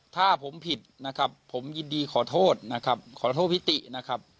ถ้าผมผิดนะครับผมยินดีขอโทษนะครับขอโทษพี่ตินะครับ